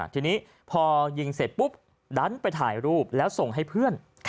ทีนี้พอยิงเสร็จปุ๊บดันไปถ่ายรูปแล้วส่งให้เพื่อน